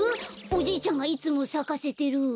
おじいちゃんがいつもさかせてる。